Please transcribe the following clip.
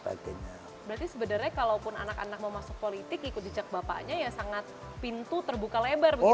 berarti sebenarnya kalau pun anak anak mau masuk politik ikut jejak bapaknya ya sangat pintu terbuka lebar begitu ya